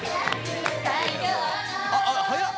あっ早っ！